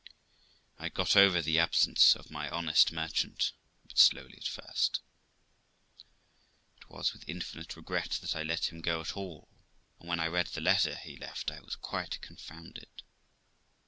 I got over the absence of my honest merchant but slowly at first. It was with infinite regret that I let him go at all; and when I read the letter he left I was quite confounded.